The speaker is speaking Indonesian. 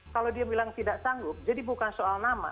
kalau dia bilang tidak sanggup jadi bukan soal nama